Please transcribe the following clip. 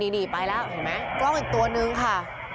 นี่ไปแล้วเห็นไหมกล้องอีกตัวนึงค่ะ